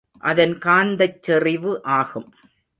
அதன் காந்தச் செறிவு ஆகும்.